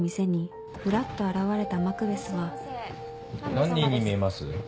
何人に見えます？